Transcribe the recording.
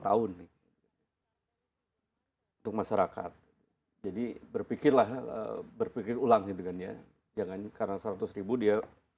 tahun untuk masyarakat jadi berpikirlah berpikir ulangnya dengan ya jangan karena seratus dia